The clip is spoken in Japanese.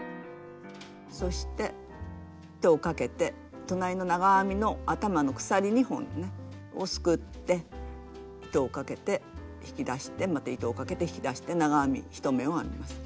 そして糸をかけて隣の長編みの頭の鎖２本をねすくって糸をかけて引き出してまた糸をかけて引き出して長編み１目を編みます。